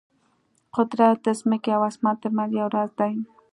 قدرت د ځمکې او اسمان ترمنځ یو راز دی.